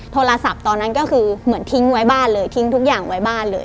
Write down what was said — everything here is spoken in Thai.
โทรศัพท์ตอนนั้นก็คือเหมือนทิ้งไว้บ้านเลยทิ้งทุกอย่างไว้บ้านเลย